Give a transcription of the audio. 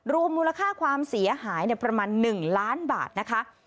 รวมมูลค่าความเสียหายประมาณ๑ล้านบาทนะคะ